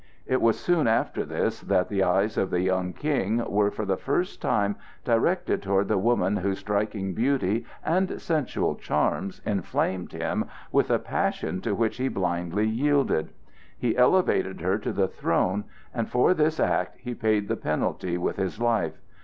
It was soon after this that the eyes of the young King were for the first time directed toward the woman whose striking beauty and sensual charms inflamed him with a passion to which he blindly yielded. He elevated her to the throne, and for this act he paid the penalty with his life.